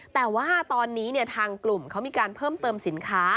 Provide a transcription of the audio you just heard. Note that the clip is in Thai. แต่ว่าตอนนี้ทางกลุ่มเขามีการเพิ่มเติมสินค้า